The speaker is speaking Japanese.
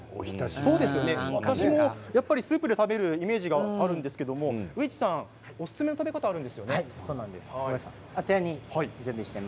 私もスープで食べるイメージがあるんですけれど上地さんおすすめの食べ方があるんですよね。